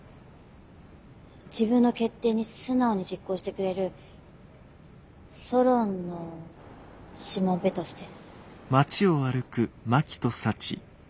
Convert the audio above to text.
自分の決定に素直に実行してくれるソロンのしもべとして。